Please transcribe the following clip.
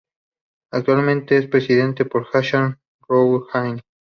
Actualmente es presidida por Hasán Rouhaní.